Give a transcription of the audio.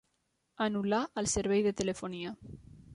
Anul·lar el servei de telefonia.